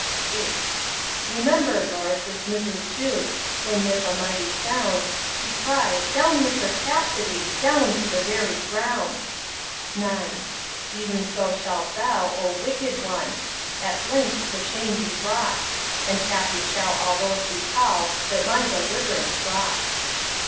VIII. Remember, Lord, this Mrs. Jewkes, When, with a mighty sound, She cries, Down with her chastity, Down to the very ground! IX. Ev'n so shalt thou, O wicked one! At length to shame be brought, And happy shall all those be call'd That my deliv'rance wrought.